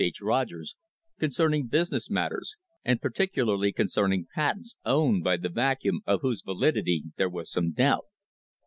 H. Rogers concerning business mat ters, and particularly concerning patents owned by the Vacuum, of whose validity there was some doubt.